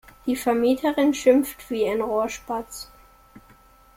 Die Vermieterin schimpft wie ein Rohrspatz.